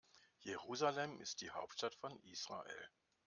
Jerusalem ist die Hauptstadt von Israel.